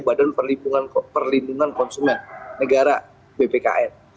badan perlindungan konsumen negara bpkn